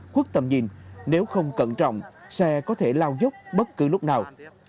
khuất tầm nhìn nếu không cẩn trọng xe có thể lao dốc bất cứ lúc nào